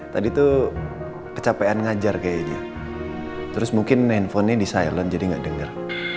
tadi tuh kecapean ngajar kayaknya terus mungkin handphonenya di silent jadi nggak dengar